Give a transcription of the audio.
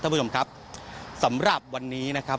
ท่านผู้ชมครับสำหรับวันนี้นะครับ